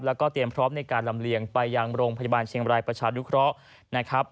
แล้วก็เตรียมพร้อมในการลำเลียงไปยังโรงพยาบาลเชียงบรายประชานุเคราะห์นะครับ